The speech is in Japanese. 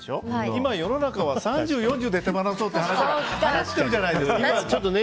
今世の中は３０、４０で手放そうって話してるじゃないですか。